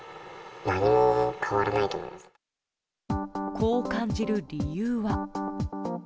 こう感じる理由は。